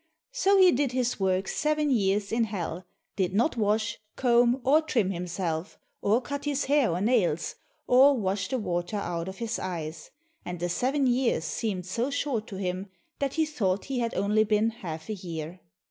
So he did his work seven years in hell, did not wash, comb, or trim himself, or cut his hair or nails, or wash the water out of his eyes, and the seven years seemed so short to him that he thought he had only been half a year.